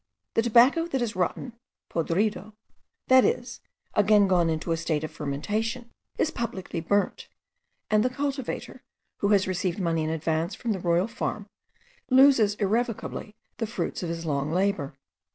The tobacco that is rotten (podrido), that is, again gone into a state of fermentation, is publicly burnt; and the cultivator, who has received money in advance from the royal farm, loses irrevocably the fruits of his long labour.